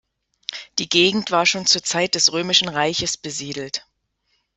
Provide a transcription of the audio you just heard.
Die Gegend war schon zur Zeit des Römischen Reiches besiedelt.